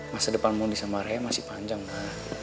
masa depan mondi sama raya masih panjang ma